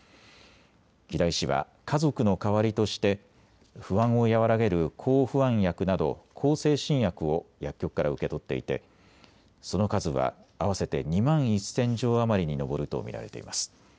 木田医師は家族の代わりとして不安を和らげる抗不安薬など向精神薬を薬局から受け取っていてその数は合わせて２万１０００錠余りに上ると見られています。